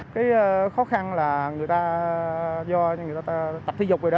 cái khó khăn là người ta do người ta tập thể dục vậy đó